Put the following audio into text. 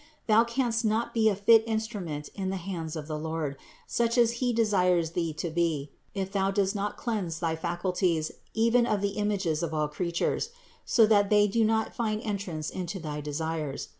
Thou canst not be a fit instrument in the hands of the Lord, such as He desires thee to be, if thou dost not cleanse thy faculties even of the images of all creatures, so that they do not find entrance into thy desires.